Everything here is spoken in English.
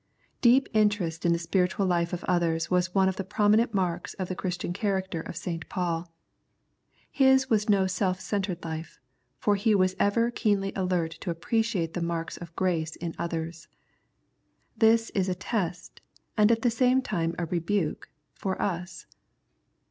Deep interest in the spiritual life of others was one of the prominent marks of the Christian character of St. Paul. His was no self centred life, for he was ever keenly alert to appreciate the marks of grace in others. This is a test, and at the same time a rebuke, for us.